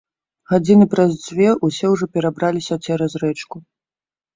Гадзіны праз дзве ўсе ўжо перабраліся цераз рэчку.